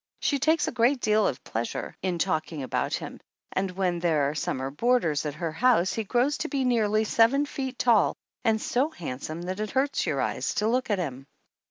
She takes a great deal of pleasure in talking about him, and when there are summer boarders at her house he grows to be nearly seven feet tall and so handsome that it hurts your eyes to look at him.